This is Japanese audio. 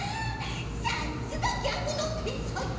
さっすがギャグのてんさい！